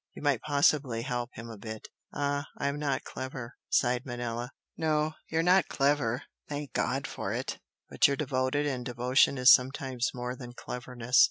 You might possibly help him a bit " "Ah, I am not clever!" sighed Manella. "No you're not clever thank God for it! But you're devoted and devotion is sometimes more than cleverness."